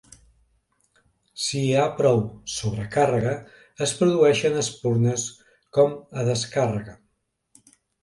Si hi ha prou sobrecàrrega, es produeixen espurnes com a descàrrega.